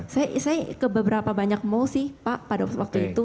saya ke beberapa banyak mall sih pak pada waktu itu